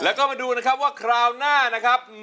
แล้วก็มาดูนะครับว่าคราวหน้านะครับ